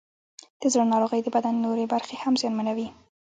د زړه ناروغۍ د بدن نورې برخې هم زیانمنوي.